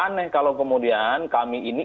aneh kalau kemudian kami ini